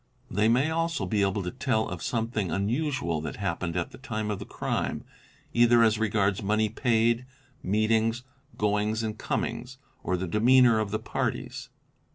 'They may also be able to tell of something unusual that happened at the time of the crime, either as regards money paid, meetings, goings and comings, or the demeanour of the parties.